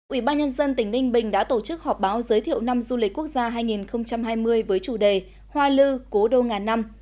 ủy ban nhân dân tỉnh ninh bình đã tổ chức họp báo giới thiệu năm du lịch quốc gia hai nghìn hai mươi với chủ đề hoa lư cố đô ngàn năm